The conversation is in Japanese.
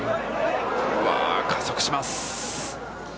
加速します。